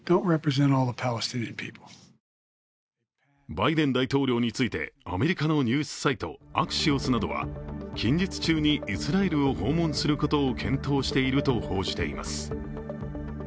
バイデン大統領についてアメリカのニュースサイト、アクシオスなどは、近日中にイスラエルを訪問することを検討していると報じています。